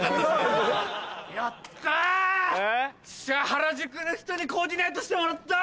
原宿の人にコーディネートしてもらった！